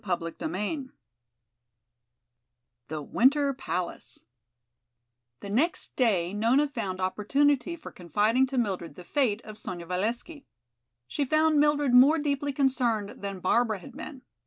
CHAPTER XV The Winter Palace The next day Nona found opportunity for confiding to Mildred the fate of Sonya Valesky. She found Mildred more deeply concerned than Barbara had been.